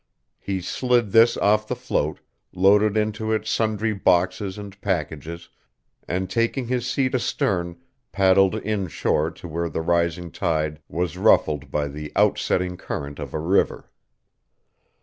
He slid this off the float, loaded into it sundry boxes and packages, and taking his seat astern, paddled inshore to where the rising tide was ruffled by the outsetting current of a river.